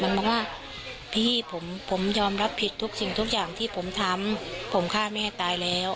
มันบอกว่าพี่ผมผมยอมรับผิดทุกสิ่งทุกอย่างที่ผมทำผมฆ่าแม่ตายแล้ว